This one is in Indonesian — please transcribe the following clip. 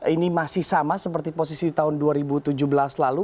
ini masih sama seperti posisi tahun dua ribu tujuh belas lalu